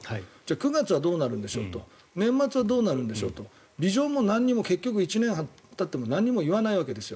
９月はどうなるんでしょうと年末はどうなるんでしょうとビジョンもなんにも１年たってもなんにも言わないわけですよ。